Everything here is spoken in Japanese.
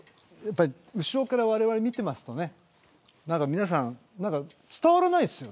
後ろから、われわれ見てますと皆さん何か伝わらないですよ